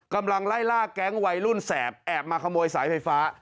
กำลังไล่ล่าแก๊งวัยรุ่นแสบแอบมาขโมยสายไฟฟ้า